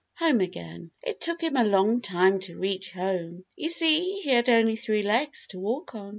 HOME AGAIN It took him a long time to reach home. You see, he had only three legs to walk on.